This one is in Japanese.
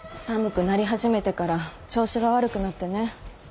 寒くなり始めてから調子が悪くなってねぇ。